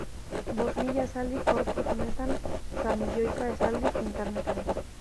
Bost mila esaldi corpus honetan eta milioika esaldi interneten.